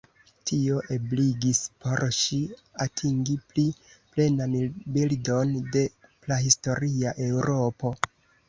Tio ebligis por ŝi atingi pli plenan bildon de prahistoria Eŭropo.